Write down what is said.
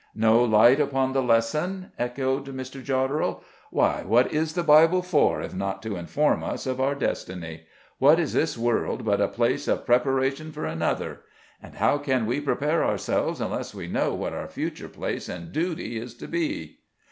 "No light upon the lesson?" echoed Mr. Jodderel. "Why, what is the Bible for, if not to inform us of our destiny? What is this world but a place of preparation for another? And how can we prepare ourselves unless we know what our future place and duty is to be?"